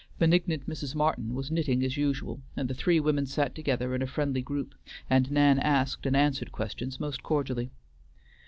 Benignant Mrs. Martin was knitting as usual, and the three women sat together in a friendly group and Nan asked and answered questions most cordially.